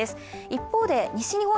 一方で、西日本、